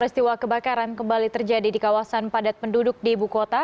peristiwa kebakaran kembali terjadi di kawasan padat penduduk di ibu kota